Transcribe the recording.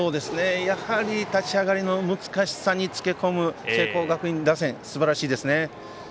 やはり立ち上がりの難しさにつけ込む聖光学院打線、すばらしいですね。